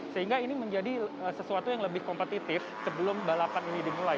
sehingga ini menjadi sesuatu yang lebih kompetitif sebelum balapan ini dimulai